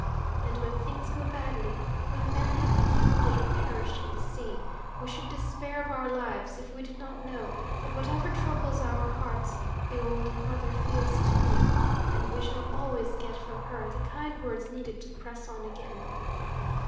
And when things go badly, when men have been wounded or perished in the sea, we should despair of our lives if we did not know that whatever troubles our hearts the old mother feels, too, and we shall always get from her the kind words needed to press on again.